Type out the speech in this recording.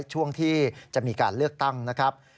ช่วงที่จะมีการเลือกตั้งนะครับ